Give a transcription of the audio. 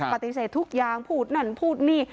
ปฏิเสธทุกอย่างพูดนั่นพูดนี่